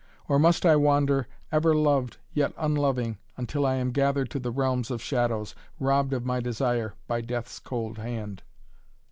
Or, must I wander, ever loved yet unloving, until I am gathered to the realms of shadows, robbed of my desire by Death's cold hand?"